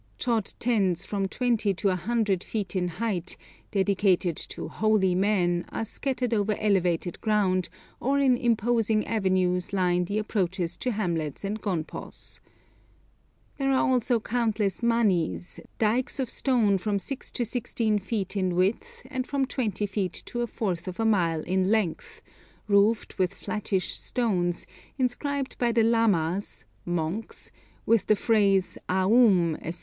Chod tens from twenty to a hundred feet in height, dedicated to 'holy' men, are scattered over elevated ground, or in imposing avenues line the approaches to hamlets and gonpos. There are also countless manis, dykes of stone from six to sixteen feet in width and from twenty feet to a fourth of a mile in length, roofed with flattish stones, inscribed by the lamas (monks) with the phrase Aum, &c.